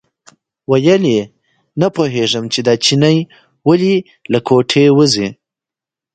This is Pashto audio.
ویل یې نه پوهېږم چې دا چینی ولې له کوټې وځي.